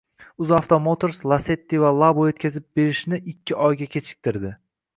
UzAuto Motors Lacetti va Labo yetkazib berishniikkioyga kechiktirdi